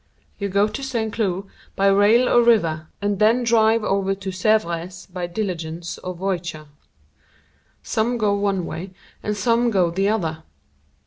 You go to St. Cloud by rail or river, and then drive over to Sèvres by diligence or voiture. Some go one way and some go the other.